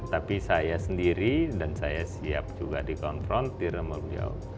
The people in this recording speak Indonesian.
tapi saya sendiri dan saya siap juga dikonfrontir sama beliau